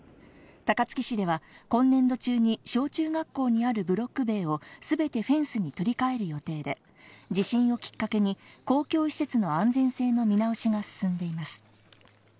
高槻市では今年度中に小・中学校にあるブロック塀をすべてフェンスに取りかえる予定で、地震をきっかけに公共施設の安全性の見直しが進んでいます。